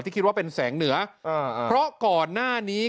คิดว่าเป็นแสงเหนือเพราะก่อนหน้านี้